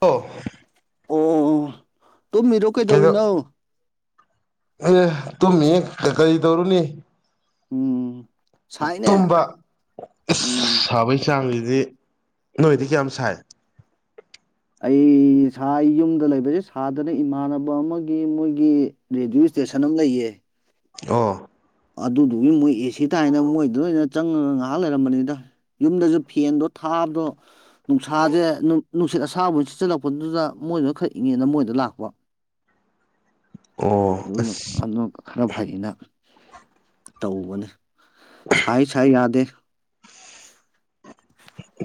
ꯑꯣ ꯑꯣ ꯇꯨꯃꯤꯔꯣ ꯀꯩꯗꯧꯔꯤꯅꯣ ꯑꯩꯌꯦ ꯇꯨꯝꯃꯤꯌꯦ ꯀꯩ ꯀꯩꯗꯧꯔꯨꯅꯤ ꯎꯝ ꯁꯥꯏꯅꯦ ꯇꯨꯝꯕ ꯏꯁ ꯎꯝ ꯁꯥꯕꯩ ꯆꯥꯡꯖꯤꯗꯤ ꯅꯣꯏꯗꯤ ꯀꯌꯥꯝ ꯁꯥꯏ ꯑꯩ ꯁꯥꯏ ꯌꯨꯝꯗ ꯂꯩꯕꯖꯦ ꯁꯥꯗꯅ ꯏꯃꯥꯟꯅꯕ ꯑꯃꯒꯤ ꯃꯣꯏꯒꯤ ꯔꯦꯗꯤꯑꯣ ꯏꯁ꯭ꯇꯦꯁꯟ ꯑꯃ ꯂꯩꯌꯦ ꯑꯣ ꯑꯗꯨꯗꯨꯒꯤ ꯃꯣꯏ ꯑꯦ ꯁꯤ ꯇꯥꯏꯅ ꯃꯣꯏꯗ ꯑꯣꯏꯅ ꯆꯪꯉꯒ ꯉꯍꯥꯛ ꯂꯩꯔꯝꯕꯅꯤꯗ ꯌꯨꯝꯗꯖꯨ ꯐꯦꯟꯗꯣ ꯊꯥꯕꯗꯣ ꯅꯨꯡꯁꯥꯖꯦ ꯅꯨ ꯅꯨꯡꯁꯤꯠ ꯑꯁꯥꯕ ꯁꯤꯠꯆꯜꯂꯛꯄꯗꯨꯗ ꯃꯣꯏꯗꯨꯅ ꯈꯔ ꯏꯪꯉꯦꯅ ꯃꯣꯏꯗ ꯂꯥꯛꯄ ꯑꯣ ꯑꯁ ꯑꯗꯨ [unintelligible] ꯈꯔ ꯐꯩꯌꯦꯅ ꯇꯧꯕꯅꯦ ꯁꯥꯏ ꯁꯥꯏ ꯌꯥꯗꯦ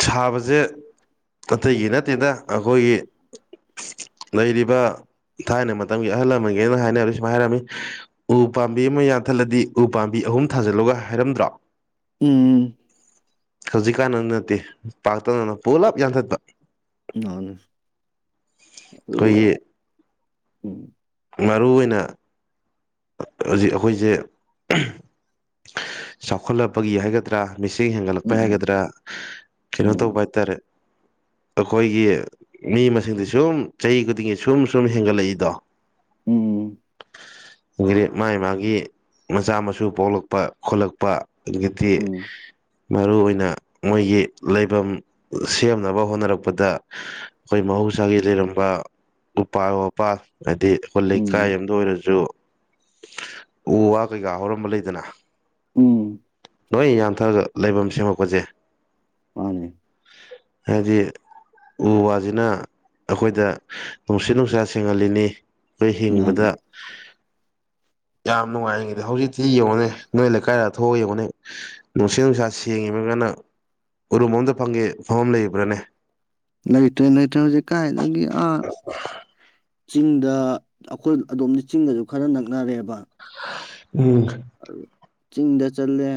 ꯁꯥꯕꯖꯦ ꯑꯇꯩꯒꯤ ꯅꯠꯇꯦꯗ ꯑꯈꯣꯏꯒꯤ ꯂꯩꯔꯤꯕ ꯊꯥꯏꯅ ꯃꯇꯝꯒꯤ ꯑꯍꯜ ꯂꯃꯟꯒꯤꯅ ꯍꯥꯏꯅꯕ ꯁꯨꯨꯝꯃꯥꯏ ꯍꯥꯏꯔꯝꯃꯤ ꯎ ꯄꯥꯝꯕꯤ ꯑꯃꯥ ꯌꯥꯟꯊꯠꯂꯗꯤ ꯎ ꯄꯥꯝꯕꯤ ꯑꯍꯨꯝ ꯊꯥꯖꯤꯜꯂꯨꯒ ꯍꯥꯏꯔꯝꯗ꯭ꯔꯣ ꯎꯝ ꯍꯧꯖꯤꯛꯀꯥꯟ ꯑꯗꯨ ꯅꯠꯇꯦ ꯄꯥꯛꯇꯛꯅꯅ ꯄꯨꯂꯞ ꯌꯥꯟꯊꯠꯄ [unintelligible] ꯑꯗꯨꯒ ꯑꯩꯈꯣꯏꯒꯤ ꯎꯝ ꯃꯔꯨꯑꯣꯏꯅ ꯍꯖꯤꯛ ꯑꯈꯣꯏꯖꯦ ꯆꯥꯎꯈꯠꯂꯛꯄꯒꯤ ꯍꯥꯏꯒꯗ꯭ꯔꯥ ꯃꯤꯁꯤꯡ ꯎꯝ ꯍꯦꯟꯒꯠꯂꯛꯄꯩ ꯎꯝ ꯍꯥꯏꯒꯗ꯭ꯔꯥ ꯀꯩꯅꯣ ꯎꯝ ꯇꯧꯕ ꯍꯥꯏꯇꯥꯔꯦ ꯑꯈꯣꯏꯒꯤ ꯃꯤ ꯃꯁꯤꯡꯗꯤ ꯁꯨꯝ ꯆꯍꯤ ꯈꯨꯗꯤꯡꯒꯤ ꯁꯨꯝ ꯁꯨꯝ ꯍꯦꯟꯒꯠꯂꯛꯏꯗꯣ ꯎꯝ [unintelligible] ꯃꯥꯒꯤ ꯃꯥꯒꯤ ꯃꯆꯥ ꯃꯁꯨ ꯄꯣꯛꯂꯛꯄ ꯈꯣꯠꯂꯛꯄ ꯑꯗꯨꯗꯒꯤ ꯎꯝ ꯃꯔꯨꯑꯣꯏꯅ ꯃꯣꯏꯒꯤ ꯂꯩꯕꯝ ꯁꯦꯝꯅꯕ ꯍꯣꯠꯅꯔꯛꯄꯗ ꯑꯈꯣꯏ ꯃꯍꯧꯁꯥꯒꯤ ꯂꯩꯔꯝꯕ ꯎꯄꯥꯜ ꯋꯥꯄꯥꯜ ꯍꯥꯏꯗꯤ ꯑꯈꯣꯏ ꯂꯩꯀꯥꯏ ꯎꯝ ꯑꯝꯗ ꯑꯣꯏꯔꯖꯨ ꯎ ꯋꯥ ꯀꯩꯀꯥ ꯍꯧꯔꯝꯕ ꯂꯩꯗꯅ ꯎꯝ ꯂꯣꯏ ꯌꯥꯟ ꯊꯠꯂꯒ ꯂꯩꯐꯝ ꯁꯦꯝꯃꯛꯄꯖꯦ ꯃꯥꯅꯦ ꯍꯥꯏꯗꯤ ꯎ ꯋꯥꯁꯤꯅ ꯑꯈꯣꯏꯗ ꯅꯨꯡꯁꯤꯠ ꯅꯨꯡꯁꯥ ꯁꯦꯡꯍꯜꯂꯤꯅꯤ ꯑꯩꯈꯣꯏ ꯃꯥꯅꯦ ꯍꯤꯡꯕꯗ ꯌꯥꯝ ꯅꯨꯡꯉꯥꯏꯉꯦꯗꯤ ꯍꯧꯖꯤꯛꯇꯤ ꯌꯦꯡꯉꯨꯅꯦ ꯅꯣꯏ ꯂꯩꯀꯥꯏꯗ ꯊꯣꯛꯑꯒ ꯌꯦꯡꯉꯨꯅꯦ ꯅꯨꯡꯁꯤꯠ ꯅꯨꯡꯁꯥ ꯁꯦꯡꯉꯤꯕꯒꯅ ꯎꯔꯨꯝ ꯑꯝꯇ ꯐꯝꯒꯦ ꯐꯝꯕꯝ ꯂꯩꯕꯔꯅꯦ ꯂꯩꯇ꯭ꯔꯦ ꯂꯩꯇ꯭ꯔꯦ ꯍꯧꯖꯤꯛ ꯀꯥꯏꯗꯒꯤ ꯑꯥ ꯆꯤꯡꯗ ꯑꯈꯣꯏ ꯑꯗꯣꯝꯅ ꯆꯤꯡꯒꯁꯨ ꯈꯔ ꯅꯛꯅꯔꯦꯕ ꯎꯝ ꯑꯗꯨ ꯆꯤꯡꯗ ꯆꯠꯂꯦ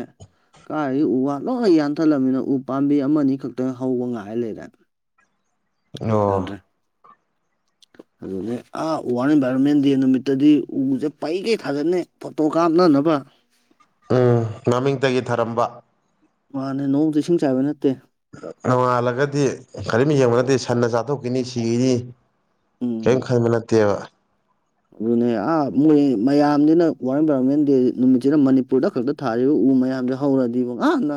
ꯀꯥꯏꯗꯒꯤ ꯎ ꯋꯥ ꯂꯣꯏ ꯌꯥꯟꯊꯠꯂꯝꯃꯤꯅꯣ ꯎ ꯄꯥꯝꯕꯤ ꯑꯃ ꯑꯅꯤ ꯈꯛꯇꯥꯡ ꯍꯧꯕ ꯉꯥꯏ ꯂꯩꯔꯦ ꯑꯣ ꯌꯥꯗ꯭ꯔꯦ ꯑꯗꯨꯅꯦ ꯑꯥ ꯋꯥꯔꯜꯗ ꯏꯟꯚꯥꯏꯔꯣꯟꯃꯦꯟ ꯗꯦ ꯅꯨꯃꯤꯠꯇꯗꯤ ꯎꯁꯦ ꯄꯩꯒꯩ ꯊꯥꯖꯟꯅꯤ ꯐꯣꯇꯣ ꯀꯥꯞꯅꯅꯕ ꯎꯝ ꯃꯃꯤꯡꯇꯒꯤ ꯊꯔꯝꯕ ꯃꯥꯅꯦ ꯅꯣꯡꯃꯗꯤ ꯏꯁꯤꯡ ꯆꯥꯏꯕ ꯅꯠꯇꯦ ꯅꯣꯡꯉꯥꯜꯂꯒꯗꯤ ꯀꯔꯤꯝ ꯌꯦꯡꯕ ꯅꯠꯇꯦ ꯁꯟꯅ ꯆꯥꯊꯣꯛꯈꯤꯅꯤ ꯁꯤꯒꯤꯅꯤ ꯀꯝ ꯎꯝ ꯈꯟꯕ ꯅꯠꯇꯦꯕ ꯑꯗꯨꯅꯦ ꯑꯥ ꯃꯣꯏ ꯃꯌꯥꯝꯁꯤꯅ ꯋꯥꯔꯜ ꯏꯟꯚꯥꯏꯔꯣꯟꯃꯦꯟ ꯗꯦ ꯅꯨꯃꯤꯠꯁꯤꯅ ꯃꯅꯤꯄꯨꯔꯗ ꯈꯛꯇ ꯊꯥꯔꯤꯕ ꯎ ꯃꯌꯥꯝꯁꯦ ꯍꯧꯔꯗꯤꯀꯣ ꯅꯍꯥꯟꯅ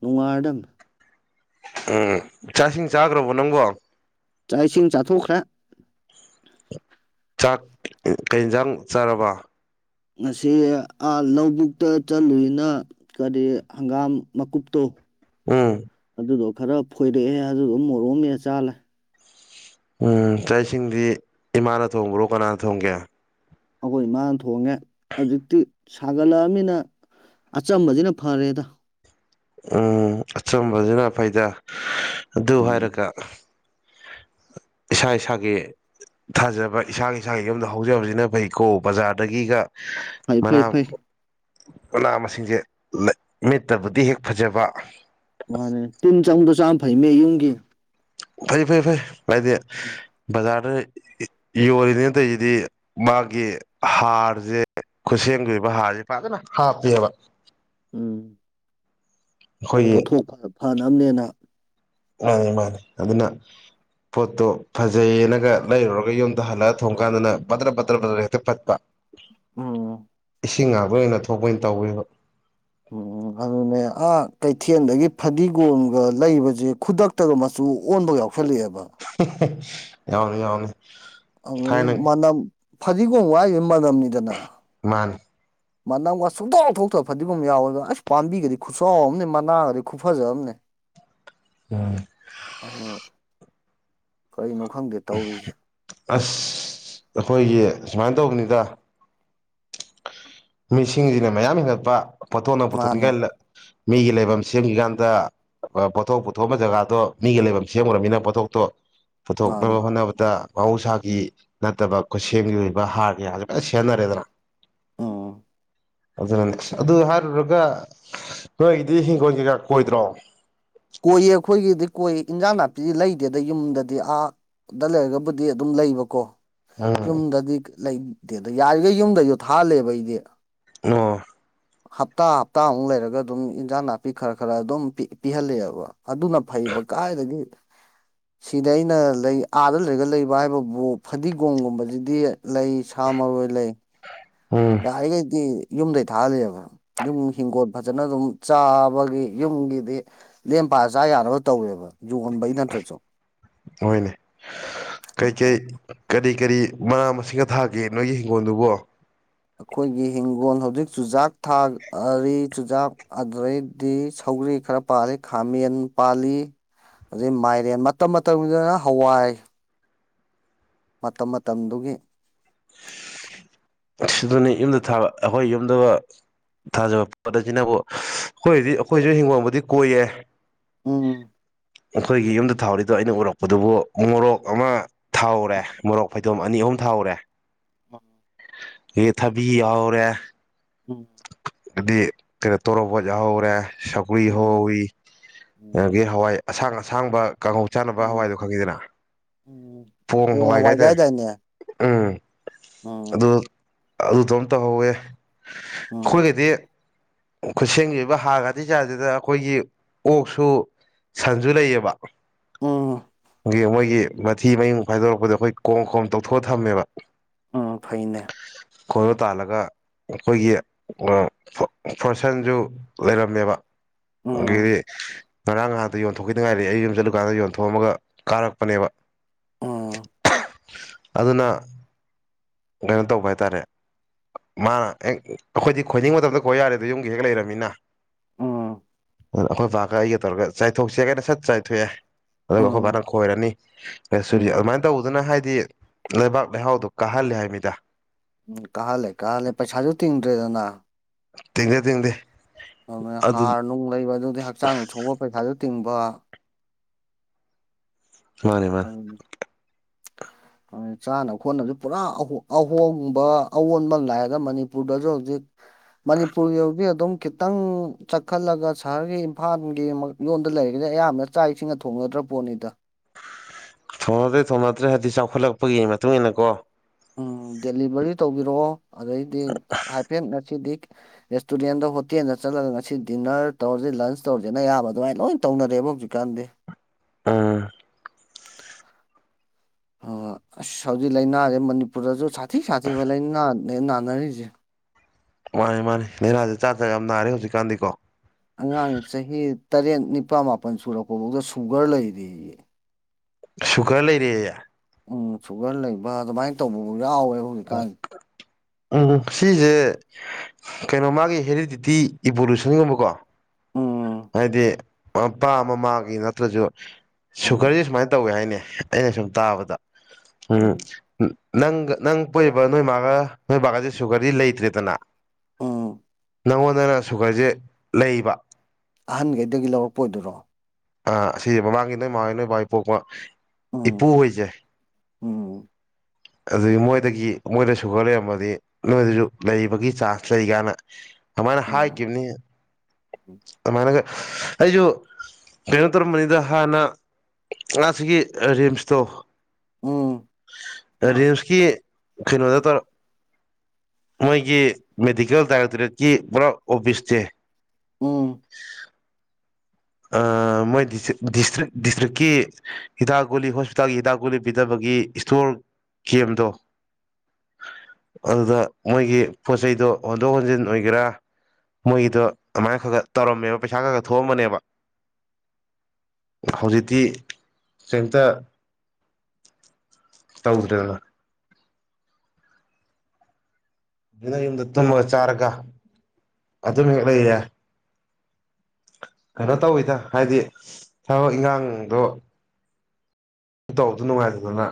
ꯅꯨꯡꯉꯥꯏꯔꯗꯕꯅꯤ ꯎꯝ ꯆꯥꯛ ꯏꯁꯤꯡ ꯆꯥꯈ꯭ꯔꯕꯣ ꯅꯪꯕꯣ ꯆꯥꯛ ꯏꯁꯤꯡ ꯆꯥꯊꯣꯛꯈ꯭ꯔꯦ ꯆꯥꯛ ꯀꯩ ꯍꯤꯟꯖꯥꯡ ꯆꯥꯔꯕ ꯉꯁꯤ ꯂꯧꯕꯨꯛꯇ ꯆꯠꯂꯨꯏꯅ ꯀꯔꯤ ꯍꯪꯒꯥꯝ ꯃꯀꯨꯞꯇꯣ ꯎꯝ ꯑꯗꯨꯗꯣ ꯈꯔ ꯐꯣꯏꯔꯛꯑꯦ ꯑꯗꯨꯒ ꯃꯣꯔꯣꯛ ꯑꯃ ꯃꯦꯠꯂ ꯆꯥꯔꯂꯛꯑ ꯎꯝ ꯆꯥꯛ ꯏꯁꯤꯡꯗꯤ ꯏꯃꯥꯅ ꯊꯣꯡꯕ꯭ꯔꯣ ꯀꯅꯥꯅ ꯊꯣꯡꯒꯦ ꯑꯈꯣꯏ ꯃꯥꯅ ꯊꯣꯡꯉꯦ ꯍꯧꯖꯤꯛꯇꯤ ꯁꯥꯒꯠꯂꯛꯑꯕꯅꯤꯅ ꯑꯆꯝꯕꯁꯤꯅ ꯐꯔꯦꯗ ꯎꯝ ꯑꯆꯝꯕꯁꯤꯅ ꯐꯩꯗ ꯑꯗꯨ ꯎꯝ ꯍꯥꯏꯔꯒ ꯏꯁꯥ ꯏꯁꯥꯒꯤ ꯊꯥꯖꯕ ꯏꯁꯥꯒꯤ ꯏꯁꯥꯒꯤ ꯌꯨꯝꯗ ꯍꯧꯖꯕꯁꯤꯅ ꯐꯩꯀꯣ ꯕꯖꯥꯔꯗꯒꯤꯒ ꯐꯩ ꯃꯅꯥ ꯐꯩ ꯐꯩ ꯃꯅꯥ ꯃꯁꯤꯡꯁꯦ ꯃꯤꯠꯇꯕꯨꯗꯤ ꯍꯦꯛ ꯐꯖꯕ ꯃꯥꯅꯦ ꯇꯤꯟ ꯆꯪꯕꯗꯣ ꯆꯥꯕꯅ ꯐꯩꯃꯦ ꯌꯨꯝꯒꯤ ꯐꯩ ꯐꯩ ꯐꯩ ꯍꯥꯏꯗꯤ ꯕꯖꯥꯔꯗ ꯌꯣꯜꯂꯤꯅꯦ ꯇꯧꯔꯤꯁꯤꯗꯤ ꯃꯥꯒꯤ ꯍꯥꯔꯁꯦ ꯈꯨꯠꯁꯦꯝꯒꯤ ꯑꯣꯏꯕ ꯍꯥꯔꯁꯦ ꯐꯖꯅ ꯍꯥꯞꯄꯦꯕ ꯎꯝ ꯑꯩꯈꯣꯏꯒꯤ ꯄꯣꯠꯊꯣꯛ ꯈꯔ ꯐꯅꯕꯅꯦꯅ ꯃꯥꯅꯤ ꯃꯥꯅꯤ ꯑꯗꯨꯅ ꯄꯣꯠꯇꯣ ꯐꯖꯩꯌꯦꯅꯒ ꯂꯩꯔꯨꯔꯒ ꯌꯨꯝꯗ ꯍꯜꯂꯛꯒ ꯊꯣꯡ ꯀꯥꯟꯗꯅ ꯕꯗ꯭ꯔ ꯕꯗ꯭ꯔ ꯕꯗ꯭ꯔ ꯍꯦꯛꯇ ꯄꯠꯈꯤ ꯄ ꯎꯝ ꯏꯁꯤꯡ ꯉꯥꯛꯇ ꯑꯣꯏꯅ ꯊꯣꯛꯄ ꯑꯣꯏꯅ ꯇꯧꯋꯤꯕ ꯎꯝ ꯎꯝ ꯑꯗꯨꯅꯦ ꯑꯥ ꯀꯩꯊꯦꯜꯗꯒꯤ ꯐꯗꯤꯒꯣꯝꯒ ꯂꯩꯕꯁꯦ ꯈꯨꯗꯛ ꯈꯨꯗꯛꯇꯒ ꯃꯆꯨ ꯑꯣꯟꯕꯒ ꯌꯥꯎꯁꯟꯂꯛ ꯑꯦꯕ ꯌꯥꯎꯋꯤ ꯌꯥꯎꯋꯤ ꯑꯗꯨ ꯃꯅꯝ ꯐꯗꯤꯒꯣꯝ ꯍꯥꯏꯔꯤꯁꯦ ꯃꯅꯝꯅꯤꯗꯅ ꯃꯥꯥꯅꯤ ꯃꯅꯝꯒ ꯁꯨꯡꯊꯣꯛ ꯊꯣꯛꯇꯕ ꯐꯗꯤꯒꯝ ꯌꯥꯎꯋꯦꯕ ꯑꯁ ꯄꯥꯝꯕꯤꯒꯗꯤ ꯈꯨꯆꯥꯎ ꯑꯃꯅꯦ ꯃꯅꯥꯒꯗꯤ ꯈꯨꯐꯖꯝꯅꯦ [inaudible] ꯎꯝ ꯑꯗꯨ ꯀꯔꯤꯅꯣ ꯈꯪꯗꯦ ꯇꯧꯔꯤꯁꯦ ꯑꯁ ꯑꯩꯈꯣꯏꯒꯤ ꯁꯨꯃꯥꯏꯅ ꯇꯧꯕꯅꯤꯗ ꯃꯤꯁꯤꯡꯁꯤꯅ ꯃꯌꯥꯝ ꯍꯦꯟꯒꯠꯄ ꯄꯣꯊꯣꯛꯅ ꯃꯥꯅꯦ ꯄꯨꯊꯣꯛꯅꯤꯉꯥꯏ ꯃꯤꯒꯤ ꯂꯩꯐꯝ ꯁꯦꯝꯈꯤꯀꯥꯟꯗ ꯄꯣꯊꯣꯛ ꯄꯨꯊꯣꯛꯑꯝꯕ ꯖꯒꯥꯗꯣ ꯃꯤꯒꯤ ꯂꯩꯐꯝ ꯁꯦꯝꯈ꯭ꯔꯅꯤꯅ ꯄꯣꯊꯣꯛꯇꯣ ꯄꯨꯊꯣꯛꯅꯕ ꯃꯥꯅꯦ ꯍꯣꯠꯅꯕꯗ ꯃꯍꯧꯁꯥꯒꯤ ꯅꯠꯇꯕ ꯈꯨꯠꯁꯦꯝꯒꯤ ꯑꯣꯏꯕ ꯍꯥꯔ ꯃꯌꯥꯝꯁꯦ ꯐꯖ ꯁꯦꯝꯅꯔꯦꯗꯅ ꯎꯝ ꯑꯗꯨꯅ ꯑꯗꯨ ꯍꯥꯏꯔꯨꯔꯒ ꯅꯣꯏꯒꯤꯗꯤ ꯍꯤꯡꯈꯣꯜ ꯀꯩꯀꯥ ꯀꯣꯏꯗ꯭ꯔꯣ ꯀꯣꯏꯌꯦ ꯑꯩꯈꯣꯏꯒꯤꯗꯤ ꯀꯣꯏ ꯏꯟꯖꯥꯡ ꯅꯥꯄꯤ ꯂꯩꯇꯦꯗ ꯌꯨꯝꯗꯗꯤ ꯑꯥ ꯗ ꯂꯩꯔꯒꯕꯨꯗꯤ ꯑꯗꯨꯝ ꯂꯩꯕꯀꯣ ꯎꯝ ꯌꯨꯝꯗꯗꯤ ꯂꯩꯗꯦꯗ ꯌꯥꯔꯤꯈꯩ ꯌꯨꯝꯗꯩꯖꯨ ꯊꯥꯍꯜꯂꯦꯕ ꯑꯩꯗꯤ ꯑꯣ ꯍꯞꯇꯥ -ꯍꯞꯇꯥꯃꯨꯛ ꯂꯩꯔꯒ ꯑꯗꯨꯝ ꯏꯟꯖꯥꯡ ꯅꯥꯄꯤ ꯈꯔ -ꯈꯔ ꯑꯗꯨꯝ ꯄꯤꯍꯜꯂꯦꯕ ꯑꯗꯨꯅ ꯐꯩꯕ ꯀꯥꯏꯗꯒꯤ ꯁꯤꯗ ꯑꯩꯅ ꯂꯩ ꯑꯥꯗ ꯂꯩꯔꯒ ꯂꯩꯕ ꯍꯥꯏꯕꯕꯨ ꯐꯗꯤꯒꯣꯝꯒꯨꯝꯕꯁꯤꯗꯤ ꯂꯩ ꯁꯥ ꯃꯔꯣꯏ ꯂꯩ ꯎꯝ ꯑꯥ ꯂꯩꯗꯤ ꯌꯨꯝꯗꯩ ꯊꯥꯍꯜꯂꯛꯑꯦꯕ ꯌꯨꯝ ꯍꯤꯡꯒꯣꯜ ꯐꯖꯅ ꯑꯗꯨꯝ ꯆꯥꯕꯒꯤ ꯌꯨꯝꯒꯤꯗꯤ ꯂꯦꯝꯄ ꯆꯥ -ꯌꯥꯅꯕ ꯇꯧꯋꯦꯕ ꯌꯣꯟꯕꯩ ꯅꯠꯇ꯭ꯔꯁꯨ ꯍꯣꯏꯅꯦ ꯀꯩꯀꯩ ꯀꯔꯤ- ꯀꯔꯤ ꯃꯅꯥ ꯃꯁꯤꯡꯒ ꯊꯥꯒꯦ ꯅꯣꯏꯒꯤ ꯍꯤꯡꯒꯣꯜꯗꯨꯕꯣ ꯑꯩꯈꯣꯏꯒꯤ ꯍꯤꯡꯒꯣꯜ ꯍꯧꯖꯤꯛ ꯆꯨꯖꯥꯛ ꯊꯥꯔꯤ ꯆꯨꯖꯥꯛ ꯑꯗꯨꯗꯩꯗꯤ ꯁꯧꯒ꯭ꯔꯤ ꯈꯔ ꯄꯥꯜꯂꯤ ꯈꯥꯃꯦꯟ ꯄꯥꯜꯂꯤ ꯑꯗꯩ ꯃꯥꯏꯔꯦꯟ ꯃꯇꯝ- ꯃꯇꯝꯒꯤꯗꯅ ꯍꯋꯥꯏ ꯃꯇꯝ -ꯃꯇꯝꯗꯨꯒꯤ [inaudible] ꯑꯗꯨꯅꯤ ꯌꯨꯝꯗ ꯊꯥꯕ ꯑꯩꯈꯣꯏ ꯌꯨꯝꯗꯒ ꯊꯥꯖꯕ ꯄꯣꯠ ꯑꯁꯤꯅꯕꯨ ꯑꯩꯈꯣꯏꯗꯤ ꯑꯩꯈꯣꯏꯁꯨ ꯍꯤꯡꯒꯣꯜꯕꯨꯗꯤ ꯀꯣꯏꯌꯦ ꯎꯝ ꯑꯩꯈꯣꯏꯒꯤ ꯌꯨꯝꯗ ꯊꯥꯍꯩꯔꯤꯗꯣ ꯑꯩꯅ ꯎꯔꯛꯄꯗꯨꯕꯨ ꯃꯣꯔꯣꯛ ꯑꯃ ꯊꯥꯍꯧꯔꯦ ꯃꯣꯔꯣꯛ ꯐꯩꯗꯣꯝ ꯑꯅꯤ ꯑꯍꯨꯝ ꯊꯥꯍꯧꯔꯦ ꯎꯝ ꯑꯦ ꯊꯕꯤ ꯌꯥꯍꯧꯔꯦ ꯎꯝ ꯑꯗꯤ ꯀꯩꯅꯣ ꯇꯣꯔꯣꯕꯣꯠ ꯌꯥꯍꯧꯔꯦ ꯁꯧꯒ꯭ꯔꯤ ꯎꯝ ꯍꯧꯍꯧꯋꯤ ꯎꯝ ꯑꯗꯒꯤ ꯍꯋꯥꯏ ꯑꯁꯥꯡ- ꯑꯁꯥꯡꯕ ꯀꯥꯡꯍꯧ ꯆꯥꯅꯕ ꯎꯝ ꯍꯋꯥꯏꯗꯣ ꯈꯪꯉꯤꯗꯅ ꯎꯝ ꯄꯣꯡ ꯍꯋꯥꯏ ꯍꯋꯥꯏꯒ ꯀꯥꯏꯇꯥꯔꯦ ꯌꯥꯏꯗꯥꯏꯅꯦ ꯎꯝ ꯑꯗꯨ ꯑꯗꯨꯗꯨꯃ ꯇꯧꯍꯧꯋꯦ ꯎꯝ ꯑꯩꯈꯣꯏꯒꯤꯗꯤ ꯈꯨꯠꯁꯦꯝꯒꯤ ꯑꯣꯏꯕ ꯍꯥꯔꯒꯗꯤ ꯆꯥꯏꯗꯦꯗ ꯑꯩꯈꯣꯏꯒꯤ ꯑꯣꯛꯁꯨ ꯁꯟꯁꯨ ꯂꯩꯌꯦꯕ- ꯎꯝ ꯒꯤ ꯃꯣꯏꯒꯤ ꯃꯊꯤ ꯃꯌꯨꯡ ꯐꯥꯏꯗꯣꯔꯛꯄꯗꯣ ꯑꯩꯈꯣꯏ ꯀꯣꯝ- ꯀꯣꯝ ꯇꯧꯊꯣꯛꯑ ꯊꯝꯃꯦꯕ ꯎꯝ ꯐꯩꯅꯦ ꯈꯣꯏꯕ ꯇꯥꯜꯂꯒ ꯑꯩꯈꯣꯏꯒꯤ ꯑ ꯐꯣꯔꯁꯟꯁꯨ ꯂꯩꯔꯝꯃꯦꯕ ꯎꯝ ꯑꯗꯒꯤꯗꯤ ꯉꯔꯥꯡ ꯅꯍꯥꯜ ꯌꯣꯟꯊꯣꯛꯈꯤꯗ ꯉꯥꯏꯔꯤ ꯑꯩ ꯌꯨꯝꯆꯠꯂꯤꯀꯥꯟꯗ ꯌꯣꯟꯊꯣꯛꯑꯝꯃꯒ ꯀꯥꯔꯛꯄꯅꯦꯕ ꯎꯝ ꯑꯗꯨꯅ ꯀꯩꯅꯣ ꯇꯧꯕ ꯍꯥꯏꯇꯥꯔꯦ ꯃꯥꯅ ꯍꯦꯛ ꯑꯩꯈꯣꯏꯗꯤ ꯈꯣꯏꯅꯤꯡꯕ ꯃꯇꯝꯗ ꯈꯣꯏ ꯌꯥꯔꯦꯗ ꯌꯨꯝꯒꯤꯗ ꯍꯦꯛ ꯂꯩꯔꯃꯤꯅ ꯎꯝ ꯎꯝ ꯑꯗ ꯑꯩꯈꯣꯏ ꯕꯥꯀ ꯑꯩꯒ ꯇꯧꯔꯒ ꯆꯥꯏꯊꯣꯛꯁꯦ ꯍꯥꯔꯒꯅ ꯁꯠ ꯆꯥꯏꯊꯣꯛꯑꯦ꯫ ꯑꯗꯨꯒ ꯑꯩꯈꯣꯏ ꯕꯥꯅ ꯎꯝ ꯎꯝ ꯈꯣꯏꯔꯅꯤ [unintelligible] ꯇꯧꯗꯨꯅ ꯍꯥꯏꯗꯤ ꯂꯩꯕꯥꯛ ꯂꯩꯍꯥꯎꯗꯣ ꯀꯥꯍꯜꯂꯦ ꯍꯥꯏ ꯃꯤꯗ꯫ ꯎꯝ ꯀꯥꯜꯂꯦ ꯀꯥꯜꯂꯦ ꯄꯩꯁꯥꯁꯨ ꯇꯤꯡꯗ꯭ꯔꯦꯗꯅ꯫ ꯇꯤꯡꯗꯦ ꯇꯤꯡꯗꯦ꯫ ꯑꯗꯨ ꯍꯥꯔ ꯅꯨꯡ ꯂꯩꯕ ꯑꯗꯨꯗꯤ ꯍꯛꯆꯥꯡ ꯁꯣꯛꯂꯛꯄꯩ ꯄꯩꯁꯥꯁꯨ ꯇꯤꯡꯕ꯫ ꯀꯔꯥꯏꯂꯩꯅꯣ ꯎꯝ ꯑ ꯎꯝ ꯆꯥꯅ ꯈꯣꯠꯅꯕꯁꯨ ꯄꯨꯔꯥ ꯑꯍꯣꯡ ꯑꯍꯣꯡꯕ ꯑꯑꯣꯟꯕ ꯑꯃ ꯂꯥꯛꯑꯒ ꯃꯅꯤꯄꯨꯔꯗꯁꯨ ꯍꯧꯖꯤꯛ ꯃꯅꯤꯄꯨꯔꯗꯒꯤ ꯑꯗꯨꯝ ꯈꯤꯇꯪ ꯆꯠꯈꯠꯂꯒ ꯁꯍꯔꯒꯤ ꯏꯝꯐꯥꯜꯒꯤ ꯃꯉꯛ ꯃꯌꯣꯟꯗ ꯂꯩꯔꯒ ꯑꯌꯥꯝꯕ ꯆꯥꯛ ꯏꯁꯤꯡꯒ ꯊꯣꯡꯅꯗ꯭ꯔ ꯄꯣꯠꯅꯤꯗ꯫ ꯊꯣꯡꯅꯗ꯭ꯔꯦ ꯊꯣꯡꯅꯗ꯭ꯔꯦ ꯍꯥꯏꯗꯤ ꯆꯥꯎꯈꯠꯂꯛꯄꯒꯤ ꯃꯇꯨꯡ ꯏꯟꯅ ꯀꯣ꯫ ꯎꯝ ꯗꯦꯂꯤꯚꯔꯤ ꯇꯧꯕꯤꯔꯛꯑꯣ ꯑꯗꯩꯗꯤ ꯍꯥꯏꯐꯦꯠ ꯉꯁꯤꯗꯤ ꯔꯦꯁꯇꯨꯔꯦꯟꯗ ꯍꯣꯇꯦꯟꯗ ꯆꯠꯂꯒ ꯉꯁꯤ ꯗꯤꯟꯅꯔ ꯇꯧꯔꯁꯦ ꯂꯟꯁ ꯇꯧꯔꯖꯦꯅ ꯑꯌꯥꯕ ꯂꯣꯏ꯫ ꯇꯧꯅꯔꯦꯕ ꯍꯧꯖꯤꯛꯀꯥꯟꯗꯤ꯫ ꯎꯝ ꯑꯪ ꯑꯁ ꯍꯧꯖꯤꯛ ꯂꯥꯏꯅꯁꯦ ꯃꯅꯤꯄꯨꯔꯗꯁꯨ ꯁꯥꯊꯤ ꯁꯥꯊꯤꯕ ꯂꯥꯏꯅꯥꯅꯦ ꯅꯥꯟꯅꯔꯤꯁꯦ꯫ ꯍꯣꯏ ꯃꯥꯅꯤ ꯂꯩꯅꯁꯦ ꯖꯥꯠ ꯖꯥꯠ ꯌꯥꯝ ꯅꯥꯔꯦ ꯍꯧꯖꯤꯛꯀꯥꯟꯗꯤꯀꯣ꯫ ꯑꯉꯥꯡ ꯆꯍꯤ ꯇꯔꯦꯠ ꯅꯤꯄꯥꯜ ꯃꯥꯄꯜ ꯁꯨꯔꯛꯄꯐꯧꯗ ꯁꯨꯒꯔ ꯂꯩꯔꯦꯌꯦ꯫ ꯁꯨꯒꯔ ꯂꯩꯔꯦꯑꯦ꯫ ꯎꯝ ꯁꯨꯒꯔ ꯂꯩꯕ ꯑꯗꯨꯃꯥꯏꯅ ꯇꯧꯕꯕꯨ ꯌꯥꯎꯋꯦꯕ꯫ ꯍꯧꯖꯤꯛꯀꯥꯟ ꯑꯣ ꯎꯝ ꯁꯤꯁꯦ ꯀꯩꯅꯣ ꯃꯥꯒꯤ ꯍꯦꯔꯤꯗꯤꯇꯤ ꯏꯕꯣꯂꯨꯁꯟꯒꯨꯝꯕꯀꯣ꯫ ꯎꯝ ꯍꯥꯏꯗꯤ ꯃꯄꯥ ꯃꯃꯥꯒꯤ ꯅꯠꯇ꯭ꯔꯁꯨ ꯎꯝ ꯁꯨꯒꯔꯁꯤ ꯁꯨꯃꯥꯏꯅ ꯇꯧꯋꯦ ꯍꯥꯏꯅꯦ ꯫ ꯑꯩꯅ ꯁꯨꯝ ꯇꯥꯕꯗ ꯎꯝ ꯅꯪꯒ ꯅꯪ ꯄꯣꯛꯏꯕ ꯅꯣꯏ ꯃꯥꯒ ꯅꯣꯏ ꯕꯥꯒꯁꯦ ꯁꯨꯒꯔꯗꯤ ꯂꯩꯇ꯭ꯔꯦꯗꯅ꯫ ꯎꯝ ꯅꯪꯉꯣꯟꯗꯅ ꯁꯨꯒꯔꯁꯦ ꯂꯩꯕ꯫ ꯑꯍꯟꯒꯑꯩ ꯗꯒꯤ ꯂꯧꯔꯛꯄ ꯑꯣꯏꯗꯣꯏꯔꯣ꯫ ꯑ ꯁꯤꯁꯦ ꯃꯃꯥꯡꯒꯤ ꯅꯣꯏ ꯃꯥꯑꯣꯏ ꯅꯣꯏ ꯕꯥꯑꯣꯏ ꯄꯣꯛꯄ ꯎꯝ ꯏꯄꯨꯍꯣꯏꯁꯦ꯫ ꯎꯝ ꯑꯗꯨꯗꯒꯤ ꯃꯣꯏꯗꯒꯤ ꯃꯣꯏꯗ ꯁꯨꯒꯔ ꯂꯩꯔꯝꯃꯗꯤ ꯅꯣꯏꯗꯁꯨ ꯂꯩꯕꯒꯤ ꯆꯥꯟꯁ ꯂꯩ ꯒꯥꯏꯅ꯫ ꯑꯗꯨꯃꯥꯏꯅ ꯎꯝ ꯍꯥꯏꯒꯤꯕꯅꯤ ꯑꯗꯨꯃꯥꯏꯅꯒ ꯑꯩꯁꯨ ꯀꯩꯅꯣ ꯇꯧꯔꯝꯕꯅꯤꯗ ꯍꯥꯟꯅ ꯉꯥꯁꯤꯒꯤ ꯔꯤꯝꯁꯇꯣ ꯎꯝ ꯎꯝ ꯔꯤꯝꯁꯀꯤ ꯀꯩꯅꯣꯗ ꯇꯧꯔꯝ ꯃꯣꯏꯒꯤ ꯃꯦꯗꯤꯀꯦꯜ ꯗꯥꯏꯔꯦꯛꯇꯣꯔꯦꯠꯀꯤ ꯄꯨꯔꯥ ꯑꯣꯐꯤꯁꯁꯦ ꯎꯝ ꯑ ꯃꯣꯏ ꯗꯤꯁꯇ꯭ꯔꯤꯛ ꯗꯤꯁꯇ꯭ꯔꯤꯛꯀꯤ ꯍꯤꯗꯥꯛ ꯒꯨꯂꯤ ꯍꯣꯁꯄꯤꯇꯥꯜꯒꯤ ꯍꯤꯗꯥꯛ ꯒꯨꯂꯤ ꯄꯤꯗꯕꯒꯤ ꯏꯁꯇꯣꯔ ꯀꯦꯝꯗꯣ ꯑꯗꯨꯗ ꯃꯣꯏꯒꯤ ꯄꯣꯠꯆꯩꯗꯣ ꯍꯣꯟꯗꯣꯛ ꯍꯣꯟꯖꯤꯟ ꯑꯣꯏꯒꯦꯔꯥ ꯃꯣꯏꯒꯤꯗꯣ ꯑꯗꯨꯃꯥꯏꯅ ꯈ ꯈ ꯇꯧꯔꯝꯃꯦꯕ ꯄꯩꯁꯥ ꯈ ꯈ ꯊꯣꯛꯑꯝꯕꯅꯦꯕ ꯍꯧꯖꯤꯛꯇꯤ ꯀꯤꯝꯇ ꯇꯧꯗ꯭ꯔꯦꯗꯅ ꯅꯌꯨꯝꯗ ꯇꯨꯝꯃ ꯆꯥꯔꯒ ꯑꯗꯨꯝ ꯍꯦꯛ ꯂꯩꯌꯦ ꯀꯩꯅꯣ ꯇꯧꯋꯤꯗ ꯍꯥꯏꯗꯤ ꯊꯕꯛ ꯏꯟꯒꯥꯡꯗꯣ ꯇꯧꯕꯗꯨ ꯅꯨꯡꯉꯥꯏꯇꯗꯅ